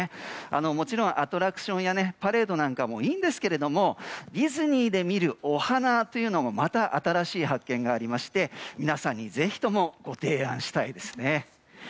もちろんアトラクションやパレードなんかもいいんですけどもディズニーで見るお花というのもまた新しい発見がありまして皆さんにぜひともご提案したいですね。